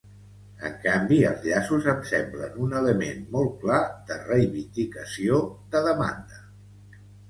En canvi, els llaços em semblen un element molt clar de reivindicació, de demanda.